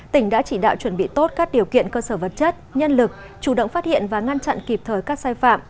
tỉnh đã chỉ đạo chuẩn bị tốt các điều kiện cơ sở vật chất nhân lực chủ động phát hiện và ngăn chặn kịp thời các sai phạm